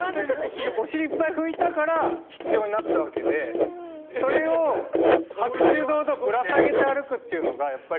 お尻いっぱい拭いたから必要になったわけでそれを白昼堂々ぶら下げて歩くっていうのがやっぱり。